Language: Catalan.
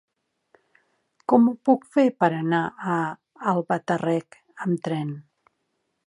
Com ho puc fer per anar a Albatàrrec amb tren?